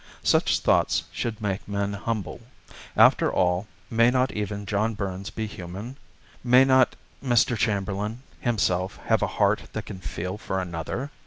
Such thoughts should make men humble. After all, may not even John Burns be human; may not Mr. Chamberlain himself have a heart that can feel for another?